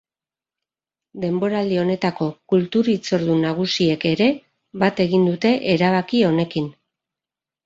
Denboraldi honetako kultur hitzordu nagusiek ere bat egin dute erabaki honekin.